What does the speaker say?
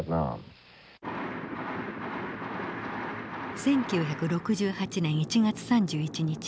１９６８年１月３１日。